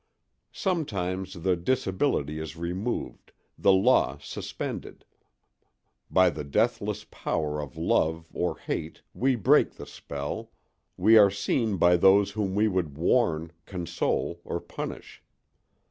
Sometimes the disability is removed, the law suspended: by the deathless power of love or hate we break the spell—we are seen by those whom we would warn, console, or punish.